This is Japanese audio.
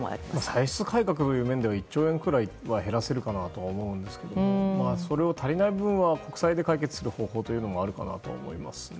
歳出改革という面では１兆円くらい減らせるかなと思うんですけどそれを足りない分は国債で解決する方法もあるかなと思います。